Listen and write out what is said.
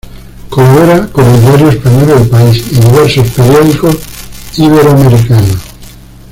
Colabora con el diario español "El País" y diversos periódicos iberoamericanos.